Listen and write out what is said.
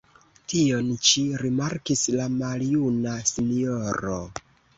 Tion ĉi rimarkis la maljuna sinjoro.